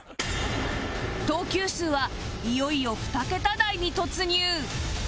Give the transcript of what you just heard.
投球数はいよいよ２桁台に突入